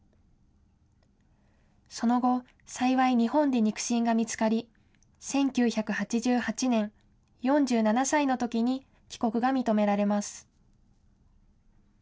その後、幸い日本で肉親が見つかり、１９８８年、４７歳のときに帰国が認められます。